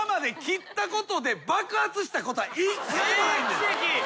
奇跡。